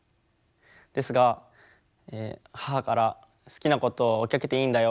ですが母から「好きなことを追いかけていいんだよ。